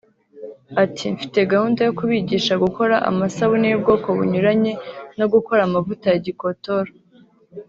Ati “Mfite gahunda yo kubigisha gukora amasabune y’ubwoko bunyuranye no gukora amavuta ya gikotoro